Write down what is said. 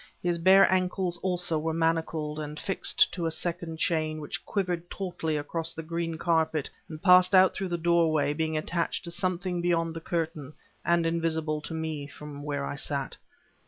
His bare ankles also were manacled, and fixed to a second chain, which quivered tautly across the green carpet and passed out through the doorway, being attached to something beyond the curtain, and invisible to me from where I sat.